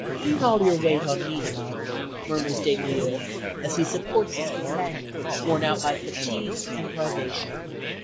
"Lean all your weight on me, love," murmurs Des Grieux, as he supports his companion, worn out by fatigue and privation.